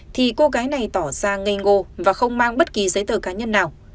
thì cô gái này tỏ ra nghê ngô và không mang bất kỳ giấy tờ cá nhân nào